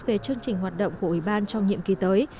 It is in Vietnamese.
về chương trình hoạt động của ủy ban trong nhiệm kỳ tới